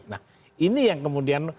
nah ini yang kemudian